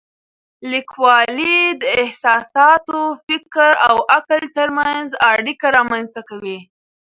لیکوالی د احساساتو، فکر او عقل ترمنځ اړیکه رامنځته کوي.